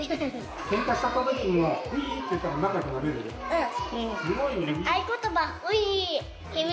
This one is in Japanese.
うん。